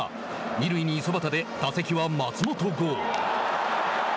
二塁に五十嵐で、打席は松本剛。